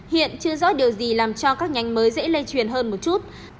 hiện chưa rõ điều gì làm cho các nhánh mới dễ lây truyền hơn một chút